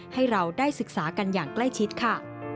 ให้เราได้ศึกษากันอย่างใกล้ชิดค่ะ